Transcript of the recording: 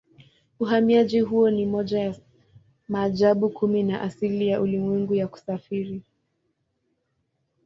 Uhamiaji huo ni moja ya maajabu kumi ya asili ya ulimwengu ya kusafiri.